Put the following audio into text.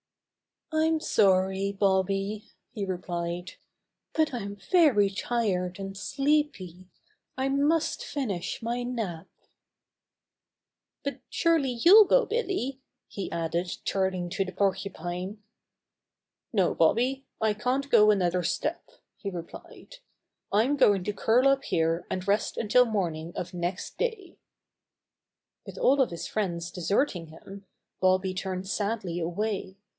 "I'm sorry, Bobby," he replied, "but I'm very tired and sleepy. I must finish my nap." Bobby's Friends Quarrel 103 "But surely you'll go, Billy," he added, turning to the Porcupine. "No, Bobby, I can't go another step," he replied. "I'm going to curl up here and rest until morning of next day," With all of his friends deserting him, Bobby turned sadly away.